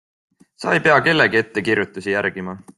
Sa ei pea kellegi ettekirjutusi järgima.